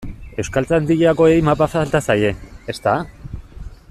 Euskaltzaindiakoei mapa falta zaie, ezta?